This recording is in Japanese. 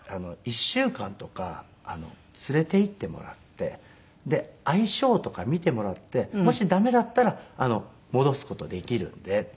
「１週間とか連れていってもらってで相性とか見てもらってもしダメだったら戻す事できるので」。